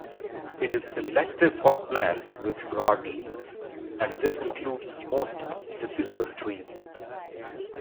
It is selective for plants with broad leaves, and this includes most deciduous trees.